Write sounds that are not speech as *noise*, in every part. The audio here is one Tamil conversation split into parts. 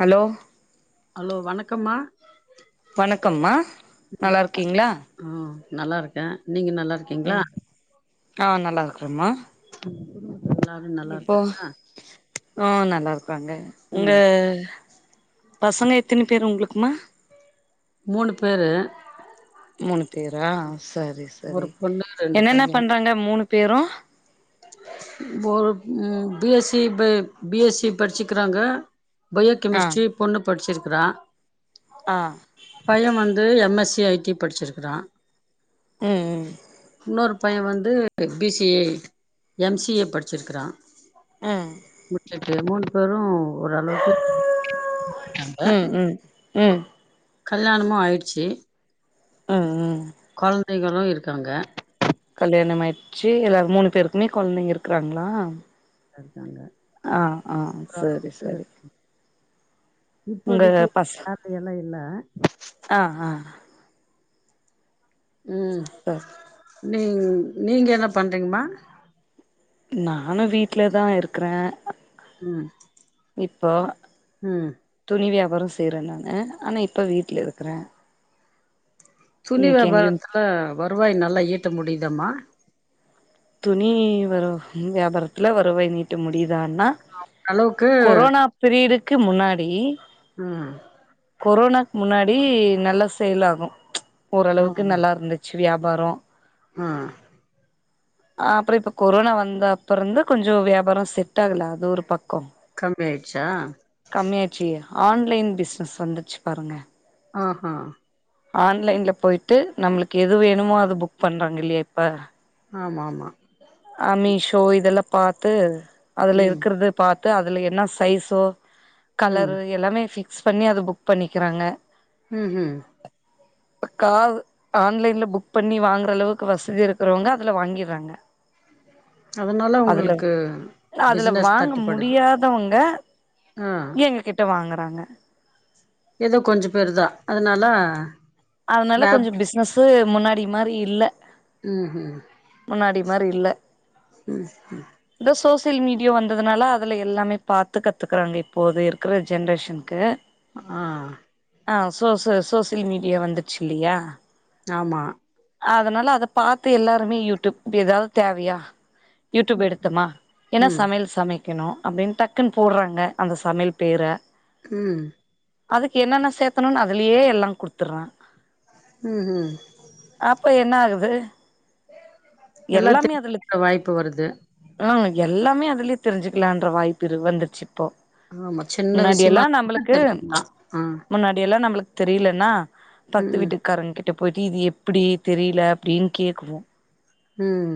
ஹலோ ஹலோ வணக்கம்மா வணக்கம்மா நல்லார்க்கீங்களா ஆ நல்லா இருக்கேன் நீங்க நல்லா இருக் என் ஆ நல்லா இருக்கறம்மா உ உ இப்போ ஆ நல்லா இருக்கறாங்க உங்க ம் பசங்க எத்தினி பேர் உங்களுக்குமா மூணு பேரு மூணு பேரா சரி சரி ஒரு பொண்ணு ரெண்டு என்னென்ன பைய பண்றாங்க மூணு பேரும் ஒரு ம் பி எஸ் சி பே பி எஸ் சி படிச்சுக்கிறாங்க ஆ பயோகெமிஸ்ட்ரி பொண்ணு படிச்சிருக்கறா ஆ பையன் வந்து எம் எஸ் சி ஐடி படிச்சிருக்கறான் அ அ இன்னொரு பையன் வந்து B C A M C A படிச்சிருக்கிறான் ம் ம் மூன்டு பேரு மூணு பேரும் ஓரளவுக்கு ம் ம் ம் கல்யாணமும் ஆய்டுச்சி அ அ குழந்தைகளும் இருக்காங்க கல்யாணம் ஆயிடுச்சு எல்லாரும் மூணு பேருக்குமே கொழந்தைங்க இருக்கிறாங்களா இருக்காங்க ஆ ஆ ஒரு சேரி சேரி இப்போதிக்கு பச வேல எல்லா இல்ல ஆ ஆ ம் சரி நீ நீங்க என்ன பண்றீங்கம்மா நானும் வீட்லதான் இருக்கறேன் ம் இப்போ ம் துணி வியாபாரம் செய்றேன் நானு ஆனா இப்போ வீட்ல இருக்கிறேன் துணி எங்கயு வியாபாரத்துல வருவாய் நல்லா ஈட்ட முடியுதமா துணி வரும் வியாபாரத்துல வருவாய் நீட்டு முடியுதான்னா அளவுக்கு கொரோனா பிரீடுக்கு முன்னாடி ம் அ கொரோனாக்கு முன்னாடி நல்லா சேல் ஆகும் ஆ ஓரளவுக்கு நல்லா இருந்து ச்சி வியாபாரோ ஆ அ அப்பறோ இப்ப கொரோனா வந்த அப்பறம் வந்து கொஞ்சோ வியாபாரம் செட் ஆகல அது ஒரு பக்கம் கம்மி ஆய்டுச்சா கம்மியாச்சு ஆன்லைன் பிஸ்னஸ் வந்துச்சு பாருங்க ஆஹா ஆன்லைன்ல போய்ட்டு நம்மளுக்கு எது வேணுமோ அது புக் பண்றாங்க இல்லையா இப்ப ஆமாம்மா. அ மிஷோ இதெல்லாம் பார்த்து அதில ம் இருக்கிறது பாத்து அதுல என்ன சைஸோ ம் கலரு எல்லாமே ஃபிக்ஸ் பண்ணி அது புக் பண்ணிக்கிறாங்க ம் ம் ஆஹ. ப்ப *unintelligible* ஆன்லைன்ல புக் பண்ணி வாங்றளவுக்கு வசதி இருக்றவங்க அதுல வாங்கிட்றாங்க அதுனால உங்ளுக்கு அதுல பிசினஸ் வாங்க தட்டுப்படுது முடியாதவங்க ஆ எங்க கிட்ட வாங்குறாங்க எதோ கொஞ்ச பேரு தா அதுனால அதனால கொஞ்ச பிஸ்னஸ்ஸு முன்னாடி மாரி இல்ல ம் ஹும் முன்னாடி மாரி இல்ல சேர் சேர் இந்த சோசியல் மீடியா வந்ததுனால அதுல எல்லாமே பாத்து கத்துக்குறாங்க இப்போது இருக்ற ஜென்ரேஷனுக்கு ஆ ஆ சோச சோசியல் மீடியா வந்துச்சுல்லயா ஆமா அதனால அத பாத்து எல்லாருமே யூடியூப் ப்ப எதாவ்து தேவயா யூடியூப் எடுத்தமா என்ன ம் சமையல் சமை க்கணு அப்டின் டக்குன்னு போட்றாங்க அந்த சமையல் பேர ம் அதுக்கு என்னென்ன சேத்தணுன் அதுலயே எல்லா குடுத்துட்றா ம் ஹும் அப்ப என்னாகுது எல்லா எல்லாமே அதுல தெரிஞ்சுக்க வாய்ப்பு வருது ஆ எல்லாமே அதுலயே தெரிஞ்சுக்கலான்ற வாய்ப்புரு வந்திர்ச்சிப்போ ஆமா சின்ன விஷயமா முன்னாடியல்லா கூட நம்ளுக்கு தெரிஞ்சுக்கலா ஆ முன்னாடியல்லா நம்ளு தெரியலன்னா பக்த்து ம் வீட்டுக்காரங் கிட்ட போய்ட்டு இது எப்டி தெரில அப்டின் கேக்குவோ ம்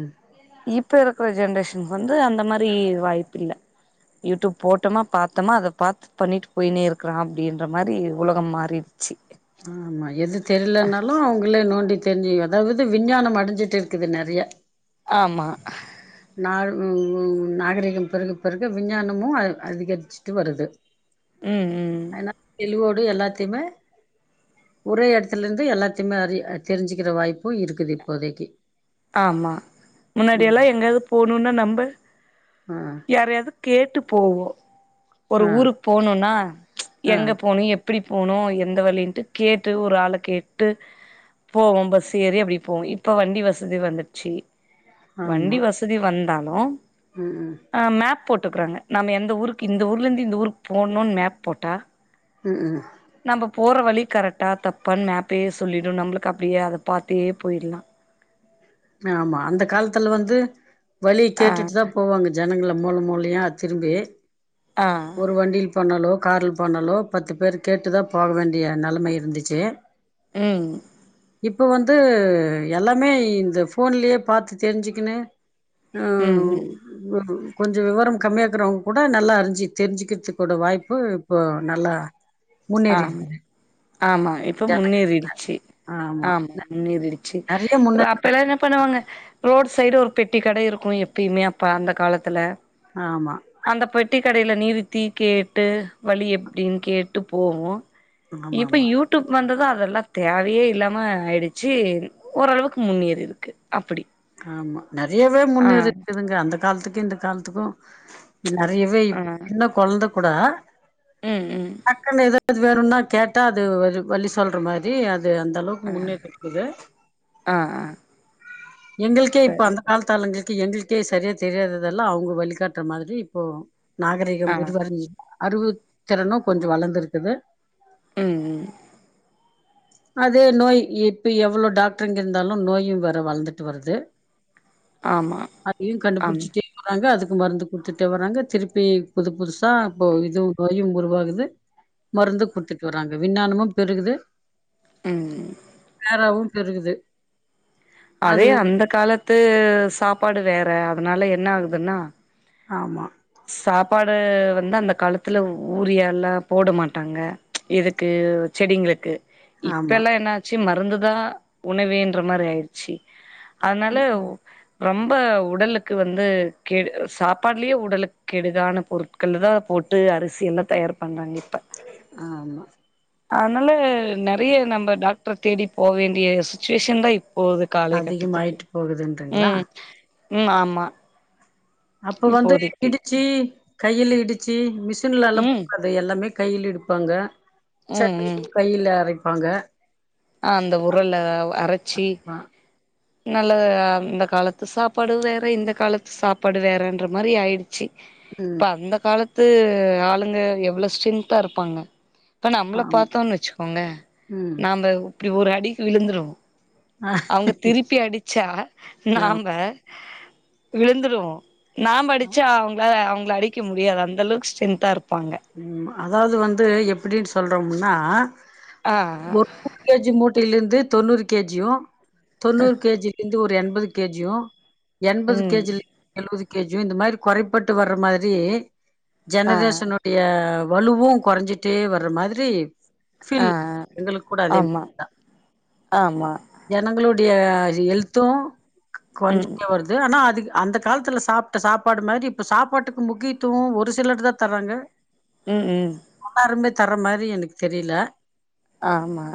இப்பருக்குற ஜென்ரேஷனுக்கு வந்து அந்த மாரி வாய்ப்பில்ல யூடியூப் போட்டமா பாத்தமா அத பாத்து பண்ணிட்டு போய்னே இருக்லா அப்டின்ற மாரி உலகம் மாறிருச்சு ஆமா எது தெரிலனாலு அவுங்க ளே நோண்டி தெரிஞ்சுக்கு அதாவ்து விஞ்ஞானம் அடஞ்சிட்ருக்குது நறையா ஆமா நா ம் ம் ம் நாகரீகம் பெறுக பெறுக விஞ்ஞானமு அ அதிகரிச் சுட்டு வருது ம் ம் அதனால தெளிவோடு எல்லாத்தையுமே ஒரே எடத்துலந்து எல்லாத்திமே அறி தெரிஞ்சுக்கிற வாய்ப்பு இருக்குது இப்போதைக்கி ஆமா முன்னாடியெல்லா எங்கேயாது போணுன்னா நம்ப ஆ யாரயாது கேட்டு போவோ ஒரு ஆ ஊருக்கு போணுன்னா ஆ எங்க போணு எப் ப்டி போணு எந்த வழின்ட்டு கேட்டு ஒரு ஆள கேட்டு போவோ பஸ் ஏறி அப்டி போவோ இப்ப வண்டி வசதி வந்துர்ச்சி ஆமா வண்டி வசதி வந்தாலு ம் ம் அங்க மேப் போட்டுக்றாங்க நம்ம எந்த ஊருக்கு இந்த ஊர்லருந்து இந்த ஊருக்கு போணுன் மேப் போட்டா ம் ம் நம்ம போற வழி கரெக்டாக தப்பான் மேப்பே சொல்லிடு நம்மளுக்கு அப்டியே அத பாத்தே போய்ட்லா ஆமா அந்த காலத்துல வந்து வழிய ஆ கேட்டுட்டு தா போவாங்க ஜனங்களை மூல மூலையா திரும்பி ஆ ஒரு வண்டில போனாலோ கார்ல போனாலோ பத்து பேர் கேட்டுதா போக வேண்டிய நிலம இருந்துச்சு ம் இப்ப வந்து எல்லாமே இந்த ஃபோன்லயே பாத்து தெரிஞ்சுக்குனு ம் கொஞ்சோ விவரம் கம்மியாக்குறவங்க கூட நல்லா அறிஞ்சு தெரிஞ்சுக்கிறது கூட வாய்ப்பு இப்ப நல்லா ஆமா முன்னேறிருக்குது ஆமா இப்ப முன்னேறிடுச்சு ஆமா முன்னேறிடுச்சு நெறைய இ முன்னேற்ற அப்பல்லா நம் பண்ணுவாங்க ரோட் சைடு ஒரு பெட்டி கடை இருக்கு எப்பயுமே அப்ப அந்த காலத்துல ஆமா அந்த பெட்டி கடையில நிறுத்தி கேட்டு வழி எப்படின்னு கேட்டு போவோ ஆமா இப்ப ஆமா யூடியூப் வந்தது அதெல்லா தேவையே இல்லாம ஆயிடுச்சு ஓரளவுக்கு முன்னேறிருக்கு அப்படி ஆமா நெறையவே முன்னேறிக்குதுங்க அந்த காலத்துக்கு இந்த காலத்துக்கு நெறையவே ஆ இப்ப சின்ன கொழந்தை கூட ம் ம் டக்குனு எத அது வேறும்னா கேட்டா அது வழி சொல்ற மாதிரி அது அந்த அளவுக்கு ஆ முன்னேற்றக்குது ஆ எங்களுக்கே இப்போ சரி அந்த காலத்தாளுங்களுக்கு எங்களுக்கே சரியா தெரியாததால அவங்க வழிகாட்டுற மாரி இப்போ நாகரீகம் ஆ உருவாங்கி அறிவுத்திறனு கொஞ்சோ வளந்திருக்குது ம் ம் அதே நோய் இப்ப எவ்ளோ டாக்டருங்க இருந்தாலு நோயு வேற வளந்துட் வருது ஆமா அதையு ஆம் கண்டுபுடிச்சிட்டு வராங்க அதுக்கு மருந்து குடுத்துட்டே வராங்க திருப்பி புது புதுசா இப்போ இதுவு நோயு உருவாகுது மருந்து குடுத்துட்டு வராங்க விஞ்ஞானமு பெருகுது ம் வேறாவும் பெருகுது அதே அது அந்த காலத்து சாப்பாடு வேற அதனால என்ன ஆகுதுன்னா ஆமா சாப்பாடு வந்து அந்த காலத்துல ஊரியால்லா போட மாட்டாங்க இதுக்கு செடிங்களுக்கு ஆமா இப்பல்லா என்னாச்சு மருந்துதா உணவேன்ற மாரி ஆயிட்ச்சி அதனால ரொம்ப உடலுக்கு வந்து கேடு சாப்பாட்லயே உடலுக்கு கெடுதான பொருட்கள்ல தான் போட்டு அரிசி எல்லாம் தயார் பண்றாங்க இப்ப ஆமா அதனால நெறய நம்ம டாக்டர் தேடி போ வேண்டிய சுச்சுவேஷன் தா இப்போ காலை கட்டத்துக்கு அதிகமாயிட்டு போகுதுன்றீங்களா ம் ம் ஆமா அப்ப வந்து இப்போதைக்கு இடிச்சு கையில இடிச்சு மிஷின்லலா ம் போகாது எல்லாமே கையில் எடுப்பாங்க ம் சட்னியு கைல அரைப்பாங்க ஆ அந்த உறல்ல அரச்சி ஆ நல்ல அந்த காலத்து சாப்பாடு வேற இந்த காலத்து சாப்பாடு வேறன்ற மாரி ஆயிடு சி இப்ப ம் அந்த காலத்து ஆளுங்க எவ்ள ஸ்ட்ரென்தா இருப்பாங்க இப்ப நம்பள ஆமா பாத்தோன் வச்சுக்கோங்க ம் நாம இப்டி ஒரு அடிக்கு விழுந்துருவோ ஆ அவங்க திருப்பி அடிச்சா நாம்ப விழுந்துருவோ நாம்ப ஆமா அடிச்சா அவ்ங்ளால அவுங்ள அடிக்க முடியாது அந்தளவுக் ஸ்ட்ரென்தா இருப்பாங்க ம் அதாவது வந்து எப்படின் சொல்றோம்னா ஆ *unintelligible* கேஜி மூட்டையிலேருந்து தொண்ணூறு கேஜியு தொண்ணூறு கேஜிலேந் ந்து ஒரு எண்பது கேஜியு எண்பது ம் கேஜில் எழுவது கேஜியு இந்த மாரி கொறைப்பட்டு வர்ர மாதிரி ஆ ஜெனரேஷனோ டிய வலுவு கொறஞ்சிட்டே வர்ர மாதிரி ஆ ஃபில் எங்களுக் கூட அதே ஆமா தா ஆமா ஜனங்களுடைய ஹெல்து ம் கொறஞ்சுகுனே வருது ஆனா அதுக் அந்த கால்த்துல சாப்ட்ட சாப்பாடு மாரி இப்ப சாப்பாட்டுக்கு முக்கியத்துவோ ஒரு சிலர் தா தர்றாங்க ம் ம் எல்லாருமே தர மாரி எனக்கு தெரில ஆமா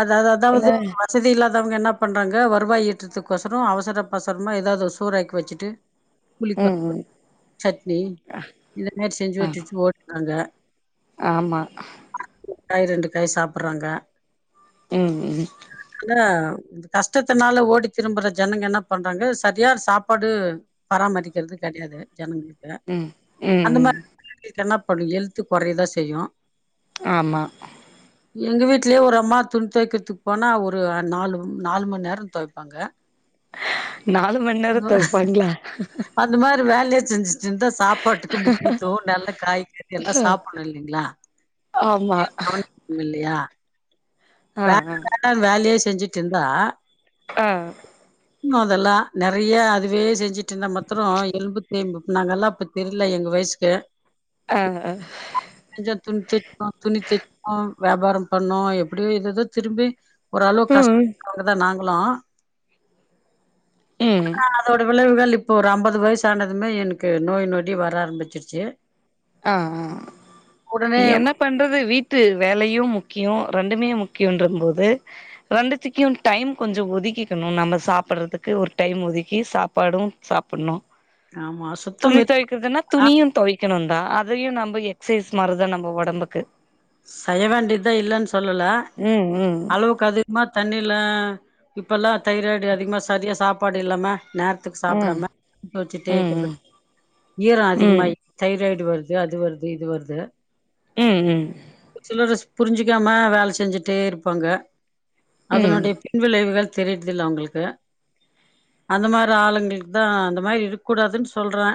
அதாது என்ன அதாவது மஸ்ட் வசதி இல்லாதவங்க என்ன பண்றாங்க வருவாய் ஈற்றத்துக்கோசரோ அவசரப்பசரமா எதாவ்து ஒர் சோர் ராக் வெச்சிட்டு ஆ *inaudible* புளிக்கா *unintelligible* சட்னி இந்த மார் செஞ்சு ஆ வெச்சிட்டு ஓட்றாங்க ஆமா காய் ரெண்டு காய் சாப்பற்றாங்க ம் ம் ஆ இந்த கஷ்டத்தனால ஓடி திரும்புற ஜனங்க என்ன பண்றாங்க சரியா சாப்பாடு பராமரிக்கறது கெடயாது ஜனங்களுக் ம் ம் ம் இதுக்கென்னா பண்ணு ஹெல்த்து கொறையதா செய்யு ஆமா எங்க வீட்லே ஒரு அம்மா துண் தோய்க்கற்துக் போனா ஒரு நாலு நாலு மண் நேரந்தோய்ப்பா அங்க நாலு மண்நேர தோய்ப்பாங்ளா அந்த மாரி வேலயே செஞ்சுட்ருந்தா சாப்பாட்டுக்கு முக்கியத்துவோ நல்லக் காய்கறி எல்லா சாப்பணு இல்லிங்ளா ஆமா *unintelligible* கவனிக்கனு இல்லயா ஆ ஆ *unintelligible* வேலயே செஞ்சுட்டுருந்தா ஆ இன்னு அதெல்லா நெறய அதுவே செஞ்சுட்ருந்தா மத்தரோ எலும்பு தேய்ம்பு நாங்கல்லா அப்போ தெரில எங்க வயசுக்கு ஆ ஆ கொஞ்ச துணி தெ *unintelligible* துணி *unintelligible* போ வியாபாரம் பண்ணோ எப் அப்படியே எதேதோ திரும்பி ஓரளவுக் ம் கஷ்டபட்டவங்கதா நாங்ளு ம் ஆனா அதோட விளைவுகள் இப்போ ஒரு அம்பது வயசு ஆனதுமே எனக்கு நோய் நொடி வர ஆரம்பிச்சிர்ச்சு ஆ ஆ உடனே எனப் பண்றது வீட்டு வேலையு முக்கியோ ரெண்டுமே முக்கியொன்றபோது ரெண்டுத்திக்கியு டைம் கொஞ்சோ ஒதுக்கிக்கணு நம்ம சாப்பிறதுக்கு ஒரு டைம் ஒதுக்கி சாப்பாடு சாப்புண்ணு ஆமா சுத்தம் துணி இருக்கணும்னா தொய்க்கற்துன்னா துணியு தொவிக்கனுந் அதையு நம்ப எக்ஸைஸ் மாரிதா நம்ப ஒடம்புக்கு செய்ய வேண்டிதா இல்லன்னு சொல்லல ம் ம் அளவுக்கு அதி மா தண்ணிலா இப்பல்லா தைராய்டு அதிகமா சரியா சாப்பாடு இல்லாம நேர் துக்கு ம் சாப்டாம வச்சுடே ம் இக்கற்து ம் ஈர அதிகமா ம் ஆயி தைராய்ட் வருது அது வருது இது வருது ம் ம் ஒரு சிலர் புரிஞ்சுக்காம வேல செஞ்சுட்டே இருப்பாங்க ம் ம் அதனுடைய பின் விளைவுகள் தெரியர்தில்ல அவுங்களுக்கு அந்த மாரி ஆளுங்களுக்கு தா அந்த மாரி இருக்கூடாதுன்னு சொல்ற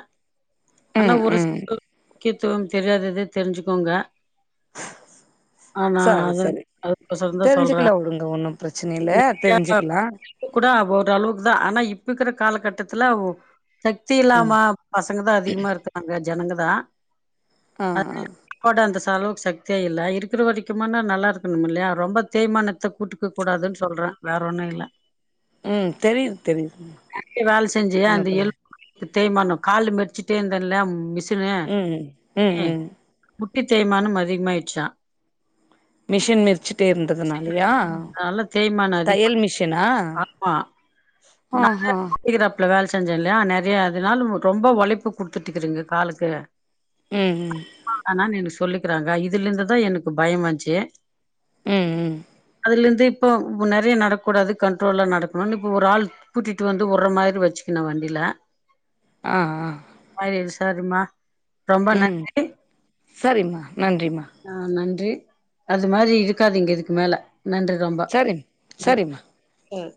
ஆனா ஒரு ச் ம் முக்கியத்துவம் தெரியாதது தெரிஞ்சுக்கோங்க ஆ நா சரி அது சரி அதுக்கிட்ட சொன்ன சொல்ற தெரிஞ்சுக்கலா விடுங்க ஒன்னு பிரச்சன இல்ல ந அ தெரிஞ்சுக்கலா கூட ஒரு அளவுக்கு தா ஆனா இப்ப இக்குற காலகட்டத்துல ஒ சக்தி ம் இல்லாமா பசங்க தா அதிகமா இருக்காங்க ஜனங்கதா ஆ அது ஆ போட அந்த செலவுக்கு சத் தே இல்ல இருக்குற வரிக்குமா நா நல்லா இருக்கணும் இல்லியா ரொம்ப தேமானத்த கூட்டுக்க கூடாதுன்னு சொல்ற வேற ஒன்னு இல்ல ம் தெரியுது தெரியுது உன்னப்ப இப்ப தேமானோ கால்லு மித்ச்சுட்டே இருந்தேல்ல மிஷினு ம் ம் முட்டி தேய்மானம் அதிகமா ஆயிட்ச்சா மிஷின் மித்ச்சிட்டே இருந்ததுனாலயா அதனால தேய்மானம் அதிகமா தயல் மிஷினா ஆமா நா ஆஹா *inaudible* ட்ல வேல செஞ்ச இல்லையா நெறைய அதுனால மு ரொம்ப ஒழைப்பு குத்துட்டுக்குறங்க காலுக்கு ம் ம் ஆனா நினு சொல்லிக்கிறாங்க இதுல இந்துதா எனக்கு பயோ வந்ச்சு ம் ம் அதுலந்து இப்போ நெறைய நடக்கூடாது கண்ட்ரோல்லா நடக்குணுனு இப்போ ஒரு ஆள் கூட்டிட்டு வந்து வுற்ற மாரி வச்சிக்குன வண்டில ஆ ஆ ஆ இது சரிமா ம் சரிமா நன்றிமா ஆ நன்றி அது மாரி இருக்காதீங்க இதுக்கு மேல நன்றி ரொம்ப சரிம் ம் சரிம்மா செர்